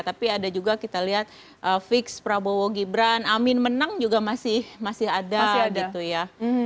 tapi ada juga kita lihat fix prabowo gibran amin menang juga masih ada gitu ya